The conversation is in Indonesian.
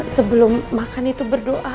sebelum makan itu berdoa